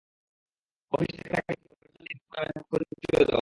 Office থেকে তাকে একটি ভার্চুয়াল লিভিং রুম নামের নতুন প্রযুক্তিও দেওয়া হয়।